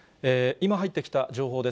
今入ってきた情報です。